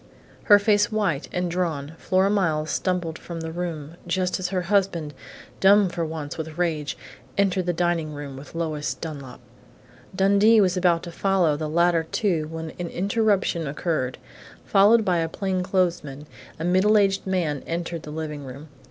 Her face white and drawn, Flora Miles stumbled from the room, just as her husband, dumb for once with rage, entered the dining room with Lois Dunlap. Dundee was about to follow the latter two when an interruption occurred. Followed by a plainclothesman, a middle aged man entered the living room.